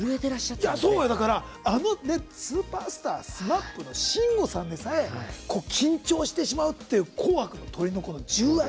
だから、あのスーパースターＳＭＡＰの慎吾さんでさえ緊張してしまうっていう「紅白」のトリの重圧。